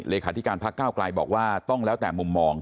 เลขาธิการพักก้าวไกลบอกว่าต้องแล้วแต่มุมมอง